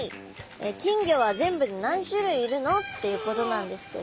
「金魚は全部で何種類いるの？」っていうことなんですけど。